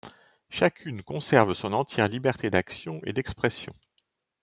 Chacune conserve son entière liberté d'action et d‘expression.